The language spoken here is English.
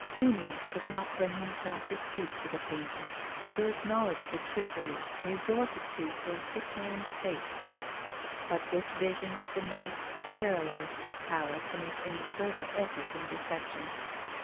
Uniacke could not bring him self to speak to the painter, to acknowledge the trickery resorted to for a sick man's sake. But this vision of the night paralysed his power to make any further effort in deception.